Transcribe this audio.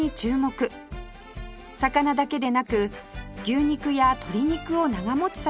魚だけでなく牛肉や鶏肉を長持ちさせる